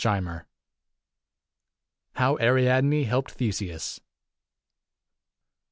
269 HOW ARIADNE HELPED THESEUS.